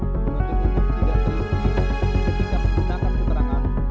mungkin ini tidak terlalu jelas ketika menggunakan keterangan